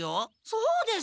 そうです！